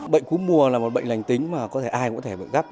bệnh cú mùa là một bệnh lành tính mà ai cũng có thể gặp